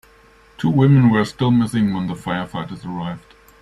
Two women were still missing when the firefighters arrived.